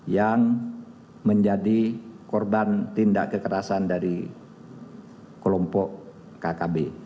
yang menjadi korban tindak kekerasan dari kelompok kkb